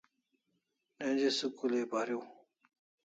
Neji school ai pariu